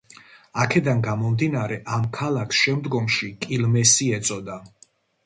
აქედან გამომდინარე, ამ ქალაქს შემდგომში კილმესი ეწოდა.